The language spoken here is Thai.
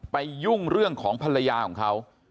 ยุ่งเรื่องของภรรยาของเขา